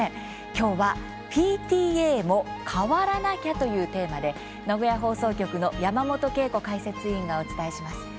きょうは「ＰＴＡも変わらなきゃ！」というテーマで、名古屋放送局の山本恵子解説委員がお伝えします。